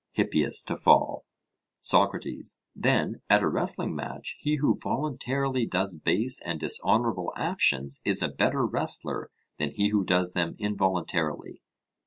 HIPPIAS: To fall. SOCRATES: Then, at a wrestling match, he who voluntarily does base and dishonourable actions is a better wrestler than he who does them involuntarily?